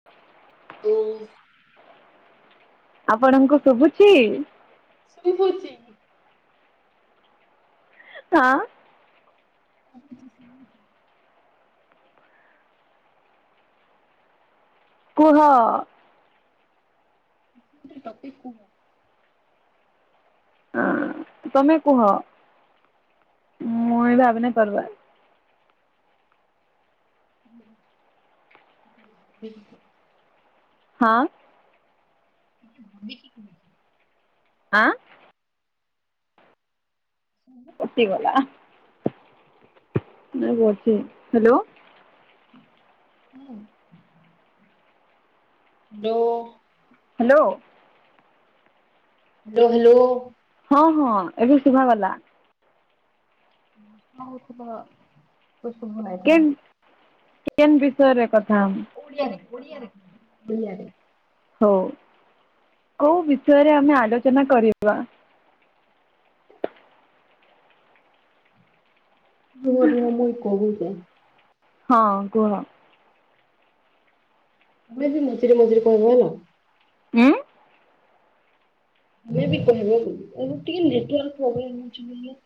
[inaudible] ଓ। ଆପଣଙ୍କୁ ଶୁଭୁଛି? ଶୁବୁଚି। ହଁ। ଆଛି କୁହ। ଟପିକ ହଁ ତମେ କୁହ ମୁଁ ଏ [unintelligible] [unintelligible] ହଁ। ଭ କି ଆଁ? ହୁଁ କଟିଗଲା। [unintelligible] ଅଛି ହ୍ୟାଲୋ। ହ। ଲୋ ହାଲୋ। Hello hello. ହଁ ହଁ ଏବେ ଶୁଭା ଗଲା। [unintelligible] କେନ୍ କେନ୍ ବିଷୟରେ କଥା‌ ଓଡ଼ିଆରେ ଓଡ଼ିଆରେ ଓଡ଼ିଆରେ। ହଉ କୋଉ ବିଷୟରେ ଆମେ ଆଲୋଚନା କରିବା? ହ [inaudible] ରୁହ ରୁହ ମୁଇ ଏ କହୁଛି। ହଁ କୁହ। ତୁମେ ବି ମଝିରେ ମଝିରେ କହିବ ହେଲା। ଉଁ? [unintelligible] ବି କହିବ ବୋଲି [unintelligible]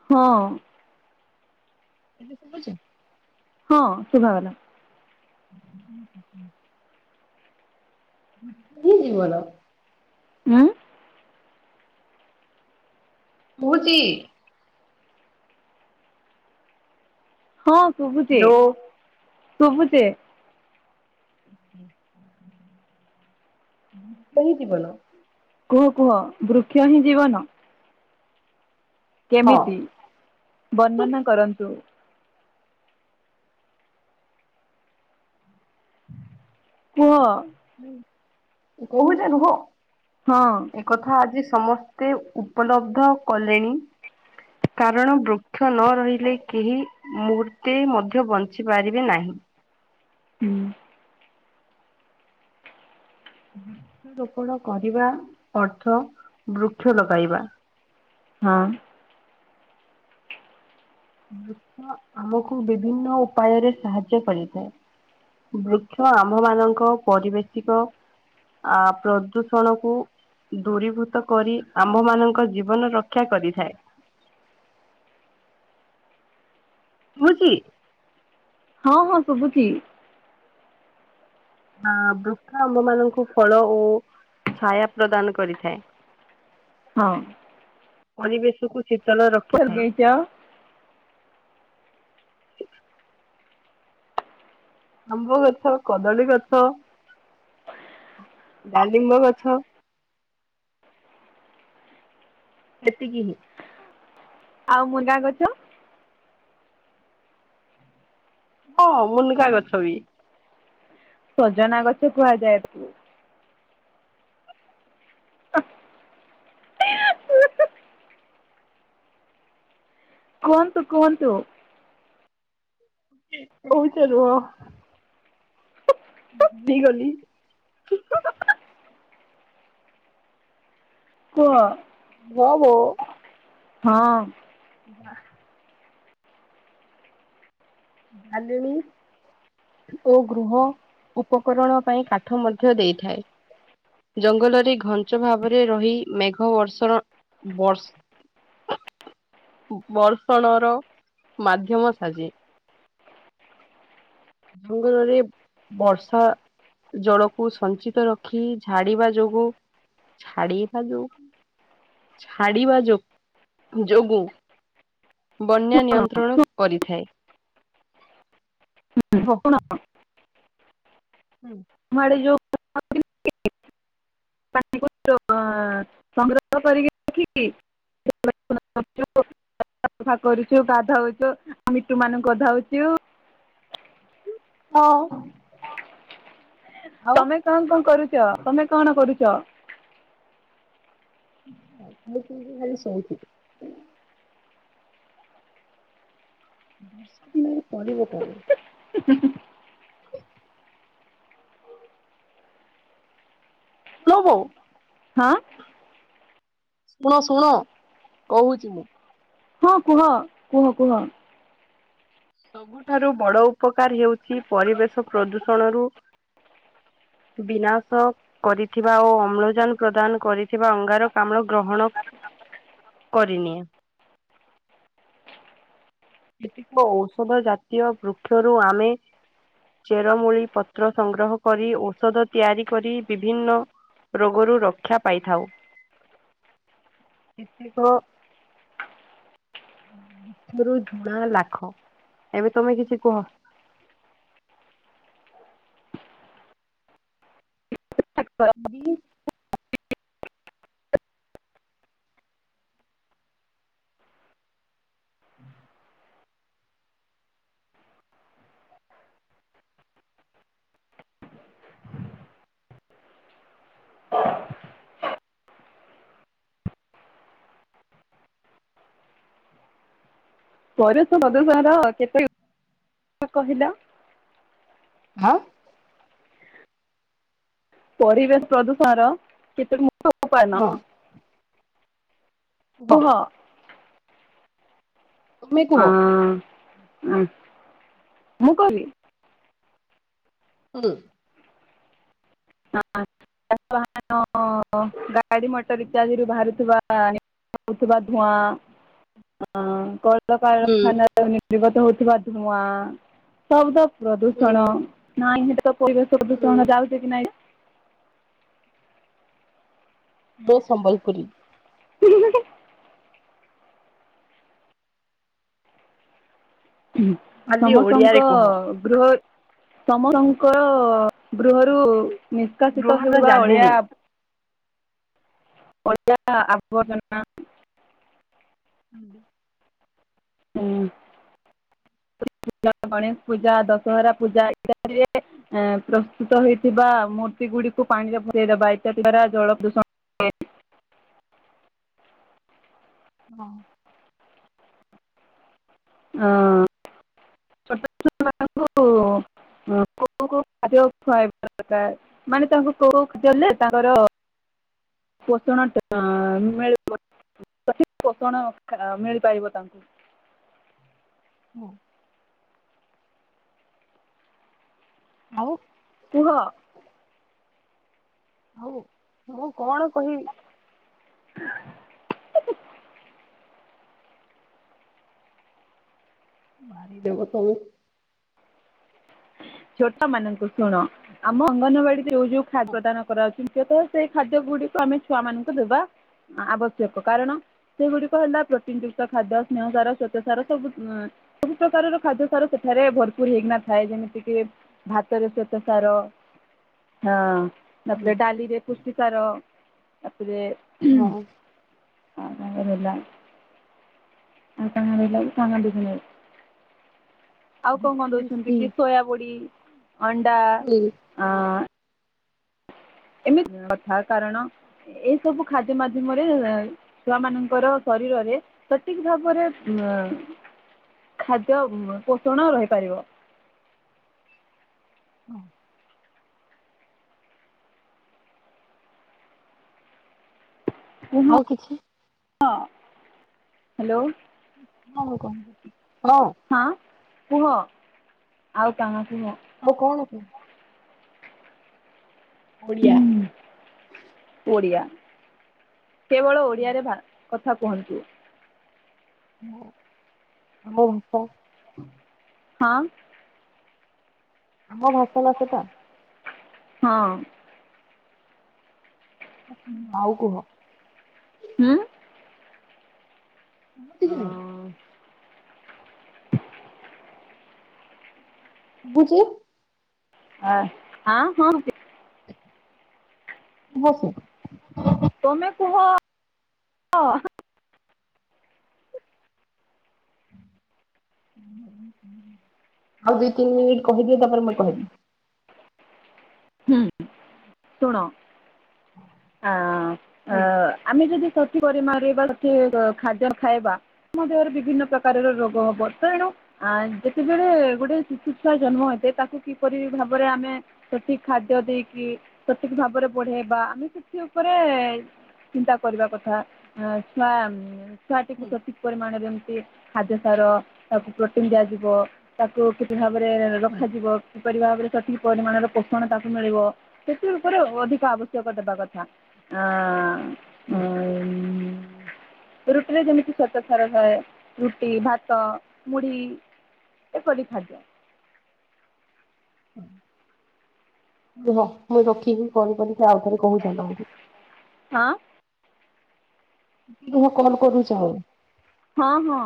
ହଁ। ଏବେ ଶୁବୁଛି? ହଁ ଶୁଭାଗଲା। ହୁଁ ହଁ ହୁଁ। [unintelligible] ଜୀବନ। ଉଁ? [unintelligible] ହଁ ଶୁଭୁଛି ଶୁଭୁଛି। ଆ୍ [inaudible] ସେ ହିଁ ଜୀବନ। କୁହ କୁହ ବୃକ୍ଷ ହିଁ ଜୀବନ। ହଁ କେମିତି ବର୍ଣ୍ଣନା କରନ୍ତୁ? [unintelligible] କୁହ। ହୁଁ କହୁଛ ରୁହ। ହଁ। ଏକଥା ଆଜି ସମସ୍ତେ ଉପଲବ୍ଧ କଲେଣି। କାରଣ ବୃକ୍ଷ ନ ରହିଲେ କେହି ମୁହୂର୍ତ୍ତେ ମଧ୍ୟ ବଞ୍ଚି ପାରିବେ ନାହିଁ। ହୁଁ। ବୃକ୍ଷରୋପଣ କରିବା ଅର୍ଥ ବୃକ୍ଷ ଲଗାଇବା। ହଁ। ବୃକ୍ଷ ଆମକୁ ବିଭିନ୍ନ ଉପାୟରେ ସାହାଯ୍ୟ କରିଥାଏ। ବୃକ୍ଷ ଆମ୍ଭ ମାନଙ୍କ ପରିବେଶିକ ଆ ପ୍ରଦୂଷଣକୁ ଦୂରୀଭୂତ କରି ଆମ୍ଭମାନଙ୍କ ଜୀବନ ରକ୍ଷା କରିଥାଏ। ଶୁଭୁଛି‌? ହଁ, ହଁ, ଶୁଭୁଛି। ହଁ ବୃକ୍ଷା ଆମ୍ମ ମାନଙ୍କୁ ଫଳ ଓ ଛାୟା ପ୍ରଦାନ କରିଥାଏ। ହଁ। ପରିବେଶକୁୁ ଶୀତଳ ରଖିଥାଏ। ଲଗେଇଛ ଆମ୍ବ ଗଛ, କଦଳୀ ଗଛ, ଡାଲିମ୍ବ ଗଛ ସେତିକି ହିଁ। ଆଉ ମୁନ୍କା ଗଛ? ହଁ ମୁନ୍କା ଗଛ ବି। ସଜନା ଗଛ କୁହାଯାଏ ତାକୁ। [inaudible] କୁହନ୍ତୁ, କୁହନ୍ତୁ‌। ରହୁଛ ରୁହ। ହେଇ ଗଲି। କୁହ। ଜାଗୋ। ହଁ। ବାଃ। ଭାଲୁଣି। ଓ ଗୃହ ଉପକରଣ ପାଇଁ କାଠ ମଧ୍ୟ ଦେଇଥାଏ। ଜଙ୍ଗଲରେ ଘଞ୍ଚ ଭାବରେ ରହି, ମେଘ ବର୍ଷଣ ବର୍ଷ ବର୍ଷଣର ମାଧ୍ୟମ ସାଜି। ଜଙ୍ଗଲରେ ବର୍ଷା ଜଳକୁ ସଞ୍ଚିତ ରଖି, ଛାଡିବା ଯୋଗୁ ଛାଡ଼ିବାକୁ ଛାଡ଼ିବା ଯୋଗୁ ବନ୍ୟା ଶୁଣ ନିୟନ୍ତ୍ରଣ କରିଥାଏ। ହଁ। ଶୁଣ ହୁଁ। ମାଡ଼େ ଯଉ [inaudible] [inaudible] ସଂଗ୍ରହ କରିକି [inaudible] ସଫା କରୁଛୁ, ଗାଧଉଛୁ, ଆ ମିଟୁ ମାନଙ୍କୁ ଗାଧଉଛୁ। ହଁ। ଆଉ ତମେ ଖାଇ କଣ କଣ କରୁଛ? ତମେ କଣ କରୁଛ? ଖାଇ ପିଇକି ଖାଲି ଶୋଉଛି। ବର୍ଷା ଦିନରେ କରିବ କଣ? ଉଁ ହୁଁ ହୁଁ। ଲୋ ବୋଉ। ହଁ। ଶୁଣ ଶୁଣ କହୁଛି ମୁଁ ସୁଣ ସୁଣ। ସବୁଠାରୁ ବଡ ଉପକାର ହେଉଛି ପରିବେଶ ପ୍ରଦୂଷଣ ରୁ ବିନାଶକ କରିଥିବା ଓ ଅମ୍ଳଜାନ ପ୍ରଦାନ କରିଥିବା ଅଙ୍ଗାରକାମ୍ଳ ଗ୍ରହଣ କରିନିଏ। କେତେକ ଔଷଧ ଜାତୀୟ ବୃକ୍ଷରୁ ଆମେ ଚେରମୂଳି ପତ୍ର ସଂଗ୍ରହ କରି ଔଷଧ ତିଆରି କରି ବିଭିନ୍ନ ରୋଗରୁ ରକ୍ଷା ପାଇଥାଉ। [inaudible] କେତେକରୁ ମୁଳା ଲାଖ ଏବେ ତମେ କିଛି କୁହ। ବି ହୁଁ। ପରେଷ ପ୍ରଦଶ୍ରେଣିର କେତେ କହିଲ। ଅଁ। ପରିବେଶ ପ୍ରଦୂଷଣ ର କେତକ ମୁଖ୍ୟ ପାଇନ। ହଁ କୁହ। ତୁମେ କୁହ। ହଁ ମୁଁ କହିବି। ହୁଁ। ହଁ ଶଶ ନ [unintelligible] ଓ ଗାଡି ମଟର ଇତ୍ୟାଦିରୁ ବାହାରୁଥିବା ନିଆଁ ବାହାରୁଥିବା ଧୂଆଁ ହଁ କଣ। ହୁଁ। କଳାକାରଖାନାରୁ ନିର୍ଗତ ହଉଥିବା ଧୂଆଁ ଶବ୍ଦ ପ୍ରଦୂଷଣ ହୁଁ ନାଇଁ ସେଠି ତ ପରିବେଶ ହୁଁ ପ୍ରଦୁସଣ ଯାଉଛି କି ନାଇଁ ମୋ ସମ୍ବଲପୁରୀ। [inaudible] ଖାଲି ଓଡିଆରେ ସମସ୍ତଙ୍କ କୁହ। ଗୃହ ସମସ୍ତଙ୍କର ଗୃହରୁ ନିଷ୍କାସିତ ଗୃହର ହେଉବା ଜାଲିଣୀ ଅଳିଆ ଅଳିଆ ଆବର୍ଜନା ଆଲୋ। ଉଁ। ଗଣେଶ ପୂଜା ଦଶହରା ପୂଜା ଇତ୍ୟାଦିରେ ଏ ପ୍ରସ୍ତୁତ ହେଇଥିବା ମୂର୍ତ୍ତି ଗୁଡିକୁ ପାଣିରେ ଭସେଇଦବା ଇତ୍ୟାଦି ଦ୍ଵାରା ଜଳ ପ୍ରଦୂଷଣ ହୁଏ। ହଁ। ଅଁ ଛୋଟ ଛୁଆ ମାନଙ୍କୁ କୋଉ କୋଉ ଖାଦ୍ୟ ଖୁଆଇବା ଦରକାର ମାନେ ତାଙ୍କୁ କୋଉ ଖାଦ୍ୟ ଦେଲେ ତାଙ୍କର ପୋଷଣ ଠିକ୍ ମିଳିବ ପ୍ରତି ପୋଷଣ ମିଳିପାରିବ ତାଙ୍କୁ। ମ। ଆଉ କୁହ ହଉ ମୁଁ କଣ କହି [inaudible] ମାରି ଦେବ ତମେ। ଛୋଟ ମାନଙ୍କୁ ଶୁଣ ଆମ ଅଙ୍ଗନବାଡିରେ ଯୋଉ ଯୋଉ ଖାଦ୍ୟ ପ୍ରଦାନ କରାଉଛି କି ତ ସେଇ ଖାଦ୍ୟ ଗୁଡିକୁ ଆମେ ଛୁଆ ମାନଙ୍କୁ ଦେବା ଆବଶ୍ୟକ କାରଣ ସେଗୁଡିକ ହେଲା ପ୍ରୋଟିନ୍ ଯୁକ୍ତ ଖାଦ୍ୟ ସ୍ନେହ ସାର ସ୍ଵେତ ସାର ସବୁ ସବୁ ପ୍ରକାରର ଖାଦ୍ୟ ସାର ସେଠାରେ ଭରପୁର ହେଇକିନା ଥାଏ ଯେମିତି ଟିକେ ଭାତରେ ଶ୍ବେତ ସାର ହଁ। ହଁ ତାପରେ ଡାଲିରେ ପୁଷ୍ଟ ସାର ତାପରେ ହଁ। ଆ ତାଙ୍କର ହେଲା ଆଉ [unintelligible] ଆଉ କଣ କଣ ଭିଟାମିନ ଦଉଛନ୍ତି ସି କି? ସୟାବୁଡ଼ି ଅଣ୍ଡା ହୁଁ ଆ ଏମିତି କଥା କାରଣ ଏଇ ସବୁ ଖାଦ୍ୟ ମାଧ୍ୟମରେ ଛୁଆ ମାନଙ୍କର ଶରୀରରେ ସଠିକ ଭାବରେ ଉ ଖାଦ୍ୟ ପୋଷଣ ରହିପାରିବ। [inaudible] ଆଉ କିଛି ହଁ ହ୍ୟାଲୋ ହଁ କ ହଁ ହଁ କୁହ ଆଉ କଣ କୁହ ମୁଁ କହୁନି କି? ଓଡ଼ିଆ ଓଡ଼ିଆ କେବଳ ଓଡିଆରେ କଥା କୁହନ୍ତୁ। ହ ଆମ ଭାଷା ହଁ। ଆମଭାଷା ନା ସେଟା ହଁ। ଆଉ କୁହ ହୁଁ। କମତି କି ନାହିଁ। ବୁଝି। ହା ହା ହଁ। [unintelligible] ତୁମେ କୁହ। ଆଉ ଦି ତିନି ମିନିଟ୍ କହିଦିଅ ତାପରେ ମୁଁ କହିବି। ହୁଁ ଶୁଣ। ଆ ହୁଁ ଆମେ ଯଦି ସଠି ପରିମାଣରେ ସେ ଖାଦ୍ୟ ଖାଇବା। ଆମ ଦେହରେ ବିଭିନ୍ନ ପ୍ରକାରର ରୋଗ ହବ ତେଣୁ ଆ ଯେତେବେଳେ ଗୋଟେ ଶିଶୁ ଛୁଆ ଜନ୍ମ ହେଇଥାଏ ତାକୁ କିପରି ଭାବରେ ଆମେ ସଠିକ ଖାଦ୍ୟ ଦେଇକି ସଠିକ ଭାବରେ ବଢେଇବା। ସେ ଉପରେ ଚିନ୍ତା କରିବା କଥା ଛୁଆ ଛୁଆଟିକୁ ହୁଁ ସଠିକ ପରିମାଣରେ ଏମିତି ଖାଦ୍ୟ ସାର ତାକୁ ପ୍ରୋଟିନ ଦିଆଯିବ। ତାକୁ ଠିକ୍ ଭାବରେ ହୁଁ ରଖାଯିବ। କିପରି ଭାବରେ ସଠିକ ପରିମାଣର ପୋଷଣ ତାକୁ ମିଳିବ ସେଥି ଉପରେ ଅଧିକ ଆବଶ୍ୟକ ଦେବା କଥା। ନାଁ ହୁଁ। ଉଁ। ରୁଟିରେ ଯେମିତି ଶ୍ୱେତସାର ଥାଏ ରୁଟି, ଭାତ, ମୁଢି। ଏପରି ଖାଦ୍ୟ। [inaudible] ରୁହ ମୁଁ ରକି କୁ ଫୋନ ଆଉ ଥରେ କହୁଚି ତମକୁ। ହଁ। ତୁମେ କଲ୍ କରୁଛ। ହଁ ହଁ।